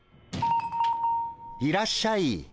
いらっしゃい。